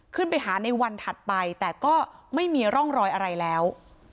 ขึ้นไปหาในวันถัดไปแต่ก็ไม่มีร่องรอยอะไรแล้ว